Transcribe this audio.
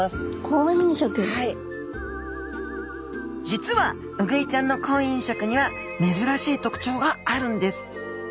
実はウグイちゃんの婚姻色には珍しい特徴があるんです。